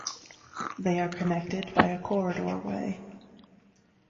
They are connected by a corridor way.